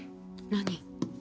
何？